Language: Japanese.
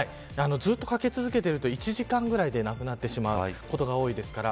ずっとかけ続けていると１時間ぐらいでなくなってしまうことが多いです。